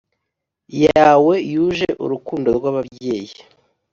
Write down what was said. yawe yuje urukundo rwababyeyi